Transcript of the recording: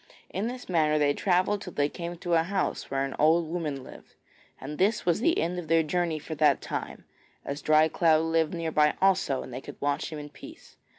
In this manner they travelled till they came to a house where an old woman lived, and this was the end of their journey for that time, as Dry cloud lived near by also and they could watch him in peace.